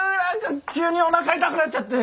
急におなか痛くなっちゃって。